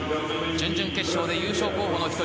準々決勝で優勝候補の１人